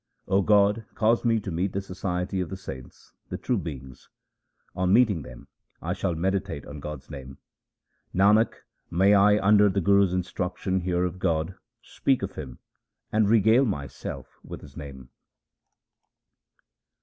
O God, cause me to meet the society of the saints, the true beings. On meeting them I shall meditate on God's name. Nanak, may 1 under the Guru's instruction hear of God, speak of Him, and regale myself with His name